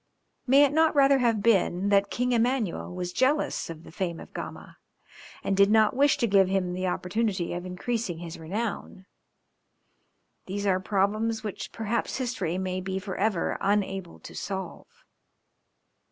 May it not rather have been that King Emmanuel was jealous of the fame of Gama, and did not wish to give him the opportunity of increasing his renown? These are problems which perhaps history may be for ever unable to solve.